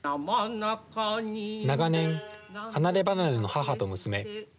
長年、離ればなれの母と娘。